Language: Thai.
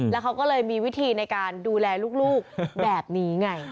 แล้วเขาก็เลยมีวิธีในการดูแลลูกแบบนี้ไง